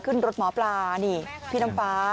ขึ้นรถหมอปลานี่พี่น้ำฟ้า